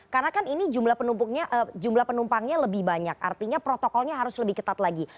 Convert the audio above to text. karena kan ini jumlah penumpangnya lebih banyak artinya protokolnya harus lebih ketat lagi